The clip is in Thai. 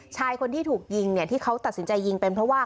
ชายคนที่ถูกยิงเนี่ยที่เขาตัดสินใจยิงเป็นเพราะว่า